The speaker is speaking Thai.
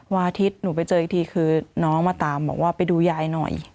อาทิตย์หนูไปเจออีกทีคือน้องมาตามบอกว่าไปดูยายหน่อย